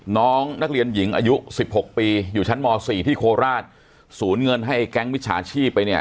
น้องนักเรียนหญิงอายุสิบหกปีอยู่ชั้นม๔ที่โคราชศูนย์เงินให้แก๊งมิจฉาชีพไปเนี่ย